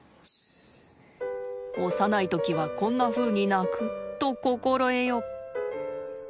幼い時はこんなふうに鳴くと心得よ。